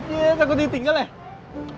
iya takut ditinggal ya